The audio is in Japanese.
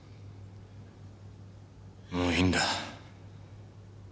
もういいんだ。